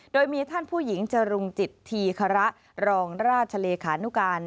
โดยมีท่านผู้หญิงจรุงจิตธีคระรองราชเลขานุการ